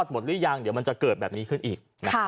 หมดหรือยังเดี๋ยวมันจะเกิดแบบนี้ขึ้นอีก